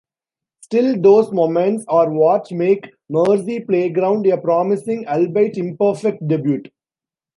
Still, those moments are what make "Marcy Playground" a promising, albeit imperfect, debut.